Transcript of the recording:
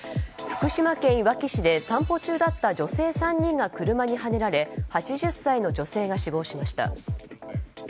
福島県いわき市で散歩中だった女性３人が車にはねられ８０歳の女性が死亡しました。